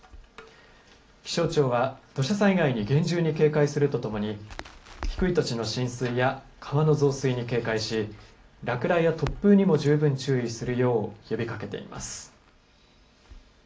気象庁は、土砂災害に厳重に警戒するとともに、低い土地の浸水や川の増水に警戒し、落雷や突風にも十分注意するよう呼びかけています。